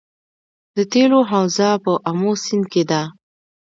د تیلو حوزه په امو سیند کې ده